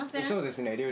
そうですね。